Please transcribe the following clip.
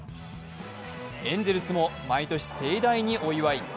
エンゼルスも毎年盛大にお祝い。